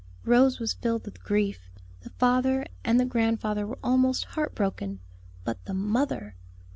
Rose was filled with grief, the father, and grandfather were almost heart broken. But the mother!